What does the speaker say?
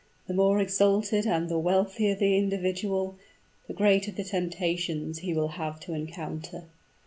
The more exalted and the wealthier the individual, the greater the temptations he will have to encounter.